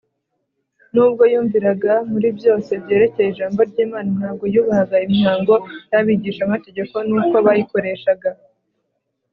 Nubwo yumviraga muri byose byerekeye Ijambo ry’Imana, ntabwo yubahaga imihango y’abigishamategeko n’uko bayikoreshaga.